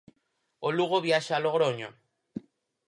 O Lugo viaxa a Logroño.